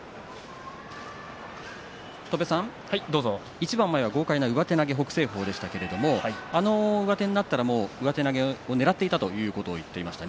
一番前に豪快な上手投げの北青鵬ですけれどもあの上手になったら上手投げをねらっていたと言っていました。